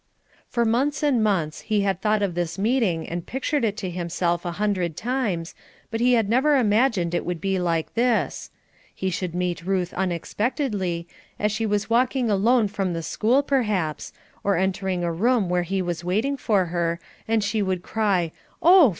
For months and months he had thought of this meeting and pictured it to himself a hundred times, but he had never imagined it would be like this. He should meet Ruth unexpectedly, as she was walking alone from the school, perhaps, or entering the room where he was waiting for her, and she would cry "Oh!